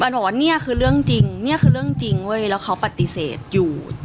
หนูว่านี่คือเรื่องจริงนี่คือเรื่องจริงเว้ยแล้วเขาปฏิเสธอยู่